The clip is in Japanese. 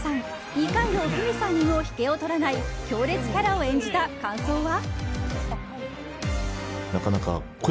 二階堂ふみさんにも引けを取らない強烈キャラを演じた感想は。